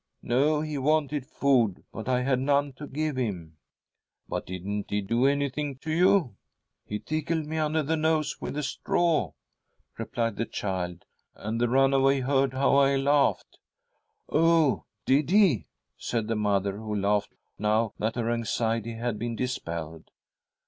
' No, he wanted food, but I had none to give him.' ' But didn't he do anything to you ?',' He tickled me under the nose with a straw,' replied the child, ' and the runaway heard how I laughed.' ' Oh, did he ?' said the mother, who laughed now that her anxiety had been dispelled.